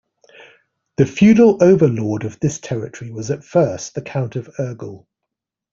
The feudal overlord of this territory was at first the Count of Urgell.